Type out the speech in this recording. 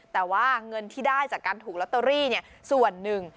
แต่ว่าเงินที่ได้จากการถูกลอตเตอรี่ส่วนหนึ่ง